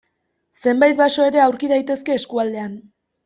Zenbait baso ere aurki daitezke eskualdean.